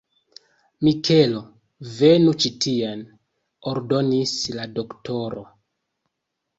Mikelo, venu ĉi tien! ordonis la doktoro.